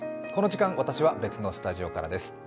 この時間、私は別のスタジオからです。